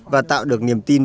và tạo được niềm tin